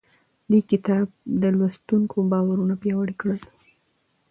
دې کتاب د لوستونکو باورونه پیاوړي کړل.